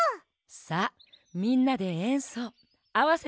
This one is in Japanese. さあみんなでえんそうあわせてみようか？